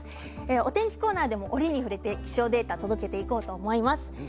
お天気コーナーでも折に触れて気象データを届けていこうと思います。